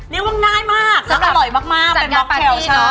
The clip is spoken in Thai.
เรียกว่าง่ายมากแล้วอร่อยมากเป็นบล็อกเทลใช่